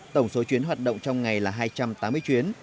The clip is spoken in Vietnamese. tổng số chuyến hoạt động trong ngày là hai trăm tám mươi chuyến